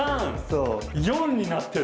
そう。